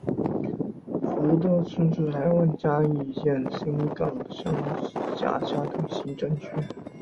福德村是台湾嘉义县新港乡辖下的行政区。